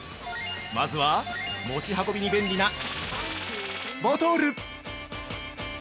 まずは持ち運びに便利な○○ボトル。